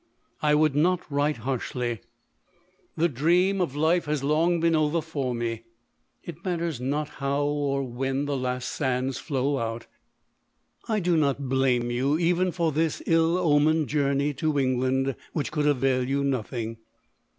" I would not write harshly. The dream of i 5 178 LODORK. life lias long been over for me ; it matters not how or where the last sands flow out. I do not blame you even for this ill omened journey to England, which could avail you nothing.